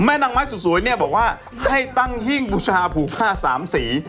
แม่นางไม้สูดสวยบอกว่าให้ตั้งหี้งปูชาผูกผ้า๓สี